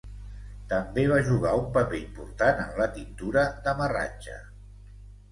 També va jugar un paper important en la tintura d'amarratge.